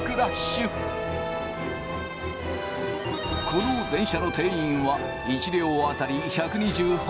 この電車の定員は１両当たり１２８人。